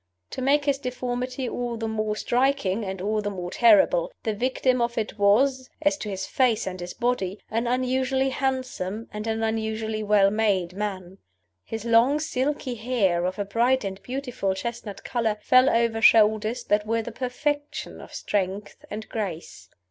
To make this deformity all the more striking and all the more terrible, the victim of it was as to his face and his body an unusually handsome and an unusually well made man. His long silky hair, of a bright and beautiful chestnut color, fell over shoulders that were the perfection of strength and grace.